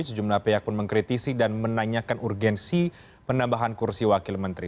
sejumlah pihak pun mengkritisi dan menanyakan urgensi penambahan kursi wakil menteri